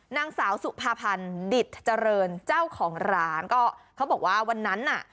นางสาวสุภาพันธ์ดิตเจริญเจ้าของร้านก็เขาบอกว่าวันนั้นน่ะ